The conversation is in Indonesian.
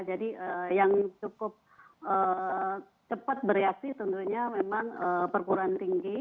yang cukup cepat bereaksi tentunya memang perguruan tinggi